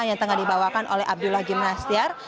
yang tengah dibawakan oleh abdullah gimnastiar